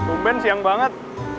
bumben siang banget